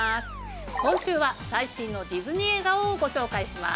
今週は最新のディズニー映画をご紹介します。